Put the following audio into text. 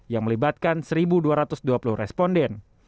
yang melibatkan satu dua ratus dua puluh responden